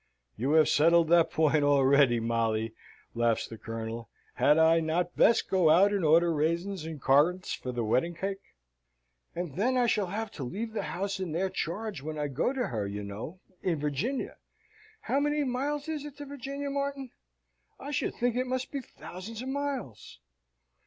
"You have settled that point already, Molly," laughs the Colonel. "Had I not best go out and order raisins and corinths for the wedding cake?" "And then I shall have to leave the house in their charge when I go to her, you know, in Virginia. How many miles is it to Virginia, Martin? I should think it must be thousands of miles."